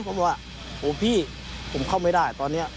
ผมว่าโหพี่ผมเข้าไม่ได้ตอนนี้